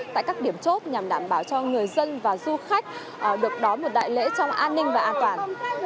tại các điểm chốt nhằm đảm bảo cho người dân và du khách được đón một đại lễ trong an ninh và an toàn